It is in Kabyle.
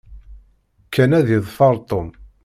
Ken ad yeḍfer Tom.